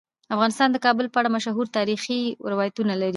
افغانستان د کابل په اړه مشهور تاریخی روایتونه لري.